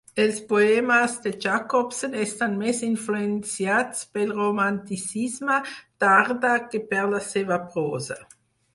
Els poemes de Jacobsen estan més influenciats pel romanticisme tardà que per la seva prosa.